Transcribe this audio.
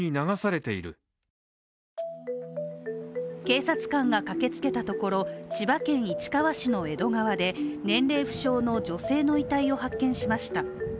警察官が駆けつけたところ、千葉県市川市の江戸川で、年齢不詳の女性の遺体を発見しました。